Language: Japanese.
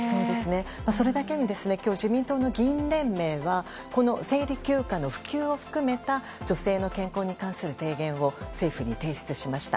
それだけに今日自民党の議員連盟はこの生理休暇の普及を含めた女性の健康に関する提言を政府に提出しました。